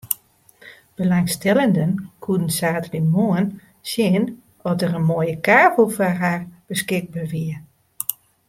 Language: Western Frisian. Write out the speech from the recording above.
Belangstellenden koene saterdeitemoarn sjen oft der in moaie kavel foar har beskikber wie.